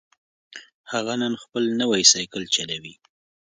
هغه نن خپل نوی سایکل چلوي